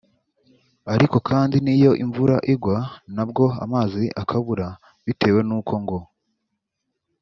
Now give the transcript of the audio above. ariko kandi n’iyo imvura igwa nabwo amazi akabura bitewe n’uko ngo